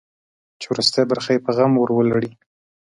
چې وروستۍ برخه یې په غم ور ولړي.